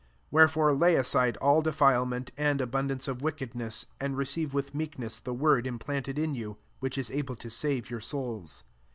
21 Wherefore lay aside all defilement, and abundance of wickedness, and receive with meekness the word implanted in youy which is able to save your souls.